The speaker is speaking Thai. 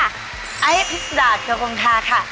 ไอ้พิษดาโกงทาค่ะ